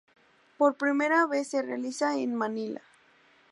Por primera vez se realiza en Manila.